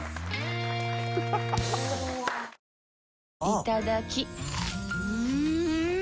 いただきっ！